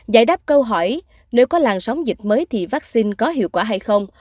giải đáp câu hỏi nếu có làn sóng dịch mới thì vaccine có hiệu quả hay không